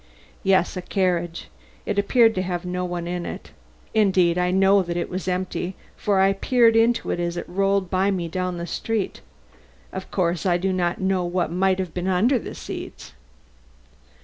"Yes, a carriage. It appeared to have no one in it. Indeed, I know that it was empty, for I peered into it as it rolled by me down the street. Of course I do not know what might have been under the seats."